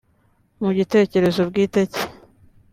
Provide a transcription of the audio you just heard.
Mu gitekerezo bwite cye